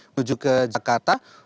menuju ke jakarta